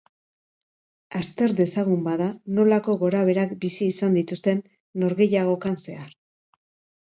Azter dezagun, bada, nolako gorabeherak bizi izan dituzten norgehiagokan zehar.